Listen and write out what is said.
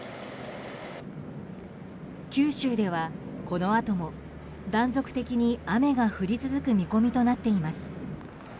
九州ではこのあとも断続的に雨が降り続く見込みとなっています。